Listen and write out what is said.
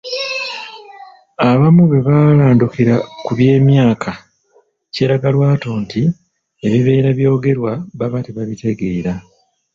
Abamu bwe balandukira ku by'emyaka, kyeraga lwatu nti ebibeera byogerwa baba tebabitegeera.